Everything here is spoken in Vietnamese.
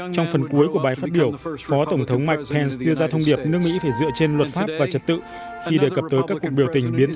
trong phần cuối của bài phát biểu phó tổng thống mike pence đưa ra thông điệp nước mỹ phải dựa trên luật pháp và trật tự